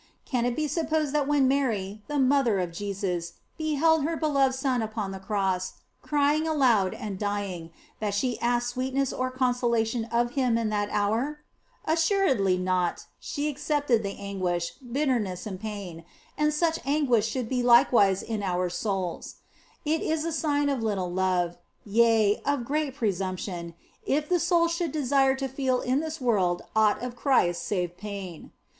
Can it be supposed that when Mary, the mother of Jesus, beheld her beloved Son upon the Cross, crying aloud and dying, that she asked sweetness or consolation of Him in that hour ? Assuredly not ; she accepted the anguish, bitter ness, and pain, and such anguish should be likewise in our souls. It is a sign of little love, yea, of great presumption, if the soul should desire to feel in this world aught of Christ save pain.